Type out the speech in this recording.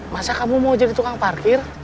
masa kamu mau jadi tukang parkir